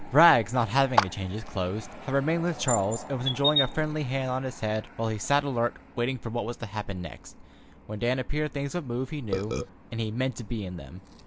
Rags, not having to change his clothes, had remained with Charles, and was enjoying a friendly hand on his head while he sat alert waiting for what was to happen next. When Dan appeared things would move, he knew, and he meant to be in them.